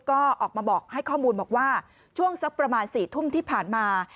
ก็ออกมาบอกให้ข้อมูลบอกว่าช่วงสักประมาณ๔ทุ่มที่ผ่านมา